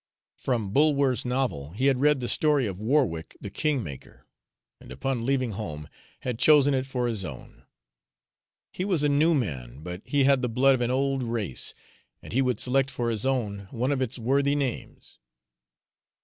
From Bulwer's novel, he had read the story of Warwick the Kingmaker, and upon leaving home had chosen it for his own. He was a new man, but he had the blood of an old race, and he would select for his own one of its worthy names.